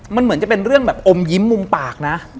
มันเหมือนจะเป็นเรื่องแบบอมยิ้มมุมปากนะ